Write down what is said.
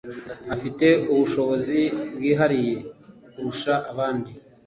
Afite ubushobozi byihariye kurusha abandi